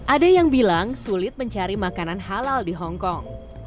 ada yang bilang sulit mencari makanan halal di hongkong